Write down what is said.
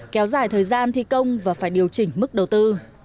kéo dài thời gian thi công và phải điều chỉnh mức đầu tư